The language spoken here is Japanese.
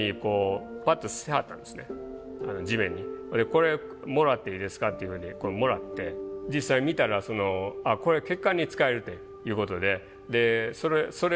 これもらっていいですかっていうふうにこれもらって実際見たらそのこれ血管に使えるっていうことででそれから３５年間使い続けてます